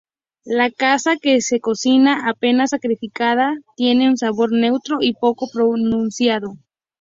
La caza que se cocina apenas sacrificada tiene un sabor neutro y poco pronunciado.